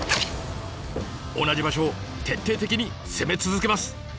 同じ場所を徹底的に攻め続けます。